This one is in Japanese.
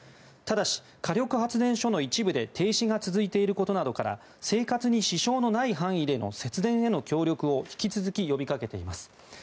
ただし、火力発電所の一部で停止が続いていることなどから生活に支障のない範囲での節電への協力を引き続き呼びかけています。